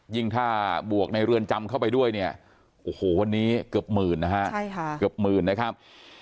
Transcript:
ยิ่งถ้าบวกในเรือนจำเข้าไปด้วยวันนี้เกือบหมื่นนะครับ